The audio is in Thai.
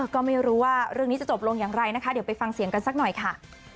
ก็ไม่รู้ว่าเรื่องนี้จะจบลงอย่างไรนะคะเดี๋ยวไปฟังเสียงกันสักหน่อยค่ะ